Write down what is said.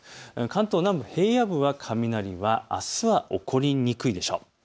関東南部、平野部は雷はあすは起こりにくいでしょう。